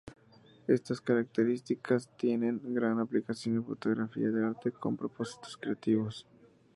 Estas características tienen gran aplicación en fotografía de arte o con propósitos creativos.